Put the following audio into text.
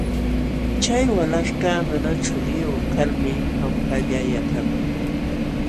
Chay walaśhkaq mana chuliyuq kalmi hawkalla yaćhakun.